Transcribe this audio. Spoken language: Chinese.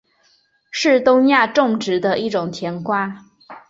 是东亚种植的一种甜瓜。